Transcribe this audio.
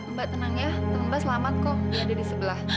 mbak tenang ya temba selamat kok dia ada di sebelah